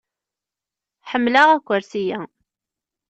Ḥemmleɣ akersi-a.